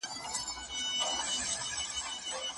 ښايي ملي عاید د تمې خلاف ډیر ژر لوړ سي.